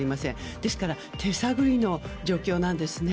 ですから手探りの状況なんですね。